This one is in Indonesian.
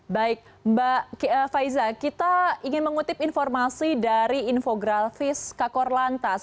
baik mbak faiza kita ingin mengutip informasi dari infografis kakor lantas